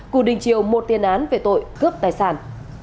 cù đình triều một tiền án về tội cướp tài sản